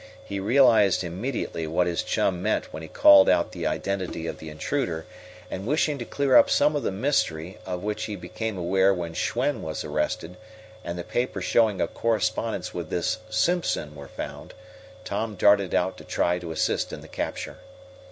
He realized immediately what his chum meant when he called out the identity of the intruder, and, wishing to clear up some of the mystery of which he became aware when Schwen was arrested and the paper showing a correspondence with this Simpson were found, Tom darted out to try to assist in the capture.